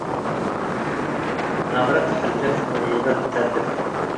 ነብረ ተሐልፍ ወዔበ ትተርፍ።